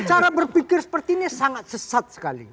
cara berpikir seperti ini sangat sesat sekali